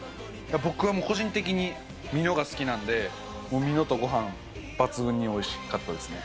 僕はもう、個人的にミノが好きなんで、もうミノとごはん、抜群においしかったですね。